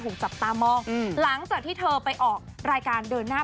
ถูกจับตามองหลังจากที่เธอไปออกรายการเดินหน้า